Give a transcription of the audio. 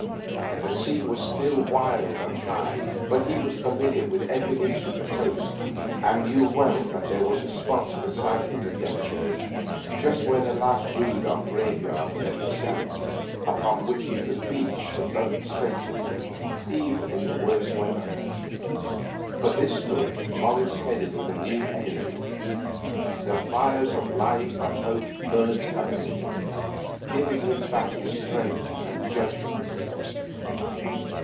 The sea was still wild and high, but he was familiar with every inch of the coast, and knew well that there was a spot to the south of the Dead Church, just where the last rood of graveyard met the sand, upon which he could beach the boat safely even in worse weather. For this nook Morris headed with a new energy; the fires of life and hope burnt up in him, giving him back his strength and judgment.